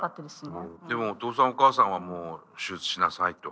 でもお父さんお母さんはもう手術しなさいと。